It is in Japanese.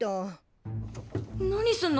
何すんの？